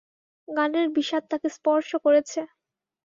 গানের বিষাদ তাঁকে স্পর্শ করেছে।